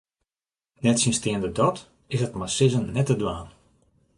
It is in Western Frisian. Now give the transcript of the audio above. Nettsjinsteande dat is it mei sizzen net te dwaan.